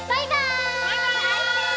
バイバーイ！